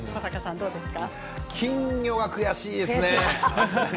金魚、悔しいですね。